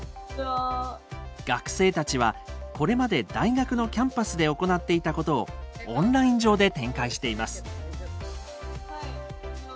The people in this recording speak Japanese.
学生たちはこれまで大学のキャンパスで行っていたことをオンライン上で展開しています。